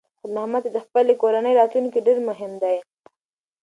خیر محمد ته د خپلې کورنۍ راتلونکی ډېر مهم دی.